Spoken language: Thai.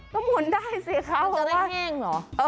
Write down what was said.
ก็หมุนได้สิคะเพราะว่ามันจะได้แห้งเหรอ